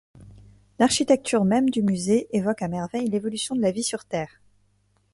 L'architecture même du musée évoque à merveille l'évolution de la vie sur Terre.